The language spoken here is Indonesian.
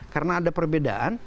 karena ada perbedaan